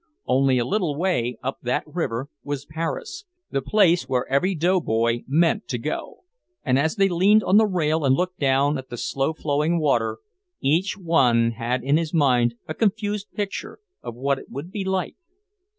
Only a little way up that river was Paris, the place where every doughboy meant to go; and as they leaned on the rail and looked down at the slow flowing water, each one had in his mind a confused picture of what it would be like.